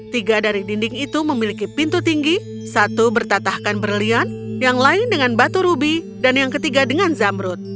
tiga dari dinding itu memiliki pintu tinggi satu bertatahkan berlian yang lain dengan batu rubi dan yang ketiga dengan zamrut